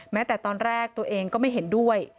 แม้แต่ตอนแรกตัวเองก็ไม่เห็นด้วย